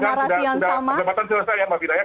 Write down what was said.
ini mudah mudahan sudah kelebatan selesai ya mbak fidayah